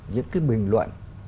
những cái bình luận